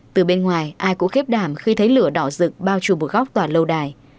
từ bên ngoài ai cũng khép đảm khi thấy lửa đỏ rực bao trùm một góc tòa lâu đài